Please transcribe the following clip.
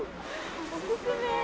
おすすめ。